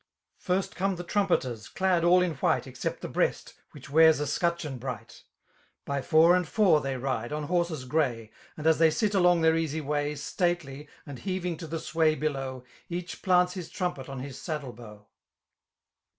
First come the inimpeters, dad all in white £xcept the breast, which wears a scutdieon bright. 18 By four and four they ride, on horsesgrey ; And as they sit along their easy way, i Stately, and faeiiving to the sway below. Each plants his trampet on his saddle bow.